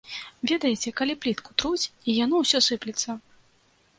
Ведаеце, калі плітку труць, і яно ўсё сыплецца.